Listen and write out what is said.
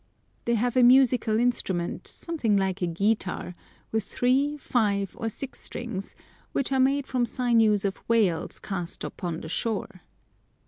They have a musical instrument, something like a guitar, with three, five, or six strings, which are made from sinews of whales cast up on the shore.